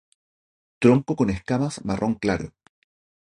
Tronco con escamas marrón claro.